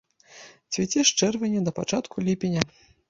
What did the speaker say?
Цвіце з чэрвеня да пачатку ліпеня.